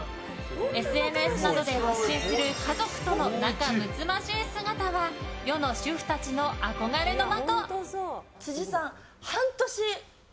ＳＮＳなどで発信する家族との仲睦まじい姿は世の主婦たちの憧れの的。